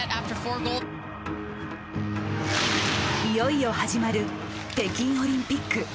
いよいよ始まる北京オリンピック。